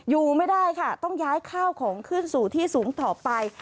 อยู่ไม่ได้ค่ะต้องย้ายข้าวของขึ้นสู่ที่สูงต่อไป